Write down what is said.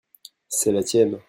c'est la tienne.